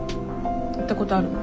行ったことあるの？